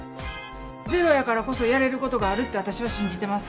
ゼロやからこそやれることがあるって私は信じてます。